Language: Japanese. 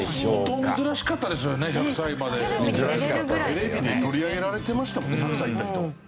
テレビで取り上げられてましたもんね１００歳いった人。